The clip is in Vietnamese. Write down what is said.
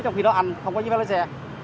trong khi đó anh không có gì phải lấy xe